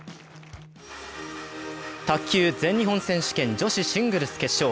卓球・全日本選手権女子シングルス決勝。